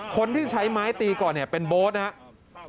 คนที่ใช้ไม้ตีก่อนเป็นโบสต์นะครับ